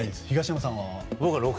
東山さんは？